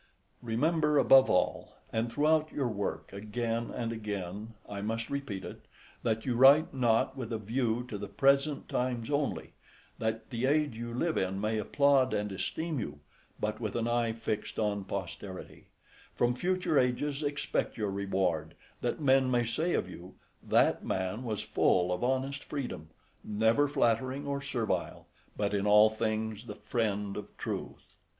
Remember, above all, and throughout your work, again and again, I must repeat it, that you write not with a view to the present times only, that the age you live in may applaud and esteem you, but with an eye fixed on posterity; from future ages expect your reward, that men may say of you, "that man was full of honest freedom, never flattering or servile, but in all things the friend of truth."